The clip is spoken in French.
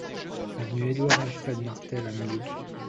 Avenue Édouard-Alfred Martel à Millau